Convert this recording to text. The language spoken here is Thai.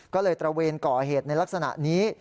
ก็เลยตระเวนก่อเหตุในลักษณะนี้